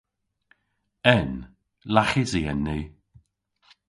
En. Laghysi en ni.